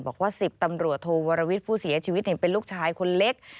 บอกว่า๑๐ตำรวจโทวรวิทย์ผู้เสียชีวิตเป็นลูกชายคนเล็ก